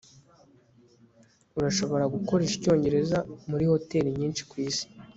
urashobora gukoresha icyongereza muri hoteri nyinshi kwisi